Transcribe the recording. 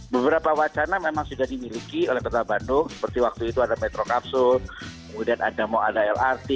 beberapa wacana memang sudah dimiliki oleh kota bandung seperti waktu itu ada metro kapsul kemudian ada mau ada lrt